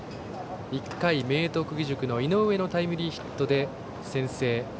１回、明徳義塾の井上のタイムリーヒットで先制。